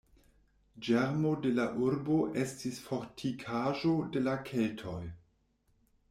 Ĝermo de la urbo estis fortikaĵo de la keltoj.